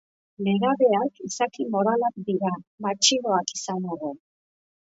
Nerabeak izaki moralak dira, matxinoak izan arren.